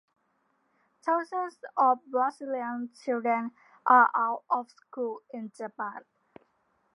Thousands of Brazilian children are out of school in Japan.